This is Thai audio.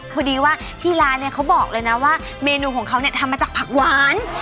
พอดีว่าที่ร้านเนี่ยเขาบอกเลยนะว่าเมนูของเขาเนี่ยทำมาจากผักหวาน